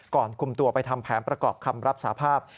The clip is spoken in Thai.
ก่อนคุมตัวไปทำแผนประกอบคำรับสาภาพ